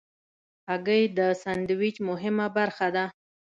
هګۍ د سندویچ مهمه برخه ده.